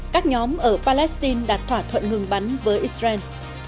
các nhóm ở palestine đạt thỏa thuận ngừng bắn với israel